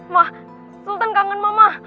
mama sultan kangen mama